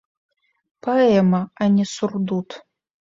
Паэма, а не сурдут.